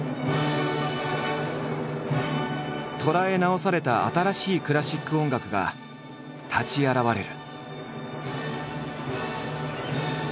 捉え直された新しいクラシック音楽が立ち現れる。